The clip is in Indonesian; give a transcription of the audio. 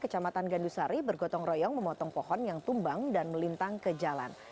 kecamatan gandusari bergotong royong memotong pohon yang tumbang dan melintang ke jalan